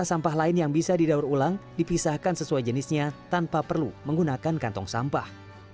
sampah sampah lain yang bisa didaur ulang dipisahkan sesuai jenisnya tanpa perlu menggunakan kantong sampah